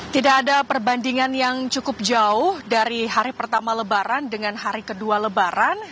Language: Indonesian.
tidak ada perbandingan yang cukup jauh dari hari pertama lebaran dengan hari kedua lebaran